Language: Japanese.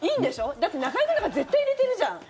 だって、中居君なんか絶対入れてるじゃん！